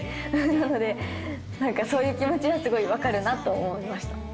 なので、なんかそういう気持ちはすごく分かるなと思いました。